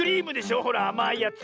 ほらあまいやつ。